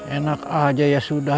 enak aja ya sudah